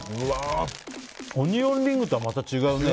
オニオンリングとはまた違うね。